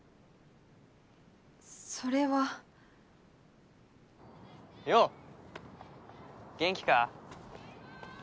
それはよう元気か？